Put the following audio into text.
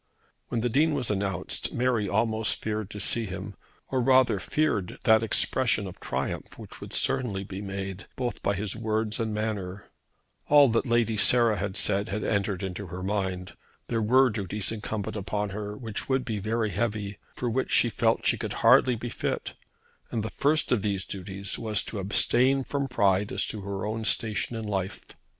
When the Dean was announced Mary almost feared to see him, or rather feared that expression of triumph which would certainly be made both by his words and manner. All that Lady Sarah had said had entered into her mind. There were duties incumbent on her which would be very heavy, for which she felt that she could hardly be fit, and the first of these duties was to abstain from pride as to her own station in life.